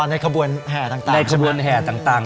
อ๋อในขบวนแห่ต่างใช่ไหมในขบวนแห่ต่าง